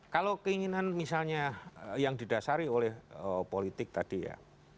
kalau keinginan misalnya yang didasari oleh politik tadi ya